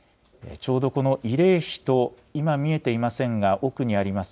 ちょうどこの慰霊碑と今見えていませんが、奥にあります